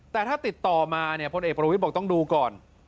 แต่ถ้าติดต่อมาเนี่ยพลเอกประวิทย์บอกต้องดูก่อน